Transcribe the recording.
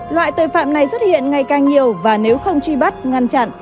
loại tội phạm này xuất hiện ngày càng nhiều và nếu không truy bắt ngăn chặn